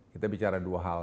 kita bicara dua hal